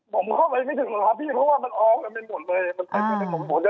อ๋อผมเข้าไปไม่ถึงรับพี่เพราะว่ามันออกกันไม่หมดเลย